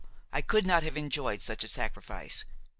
I could not have enjoyed such a sacrifice.